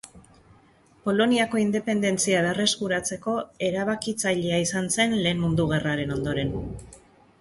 Poloniako independentzia berreskuratzeko erabakitzailea izan zen Lehen Mundu Gerraren ondoren.